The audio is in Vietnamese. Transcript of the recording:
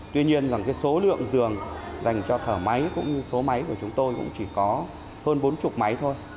tuy nhiên số lượng giường dành cho thở máy cũng như số máy của chúng tôi cũng chỉ có hơn bốn mươi máy thôi